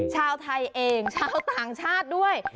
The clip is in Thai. ชาวไทยเองชาวต่างชาติด้วย